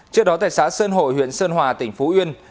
trước đó tại xã sơn hội huyện sơn hòa tỉnh phú yên